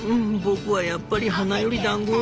僕はやっぱり花よりだんご。